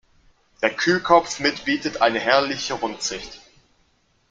Der Kühkopf mit bietet eine herrliche Rundsicht.